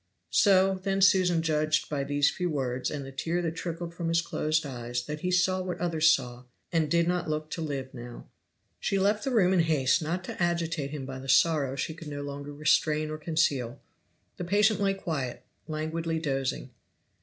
So then Susan judged, by these few words, and the tear that trickled from his closed eyes, that he saw what others saw and did not look to live now. She left the room in haste not to agitate him by the sorrow she could no longer restrain or conceal. The patient lay quiet, languidly dozing.